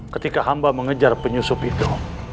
ketika hamba mengejar penyusup itu